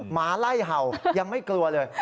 หมาไล่เห่ายังไม่กลัวเลย